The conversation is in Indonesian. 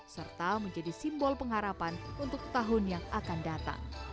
serta menjadi simbol pengharapan untuk tahun yang akan datang